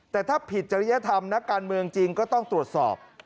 แต่ถ้าผิดจริยธรรมนักการเมืองจริงก็ต้องตรวจสอบ